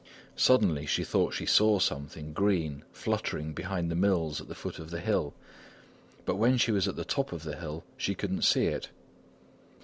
Suddenly she thought she saw something green fluttering behind the mills at the foot of the hill. But when she was at the top of the hill she could not see it.